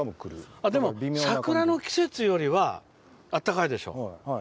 でも、桜の季節よりはあったかいでしょ。